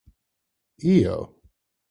ijo!